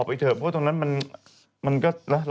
พระพุทธรูปสูงเก้าชั้นหมายความว่าสูงเก้าตึกเก้าชั้น